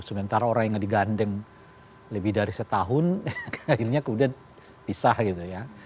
sementara orang yang digandeng lebih dari setahun akhirnya kemudian pisah gitu ya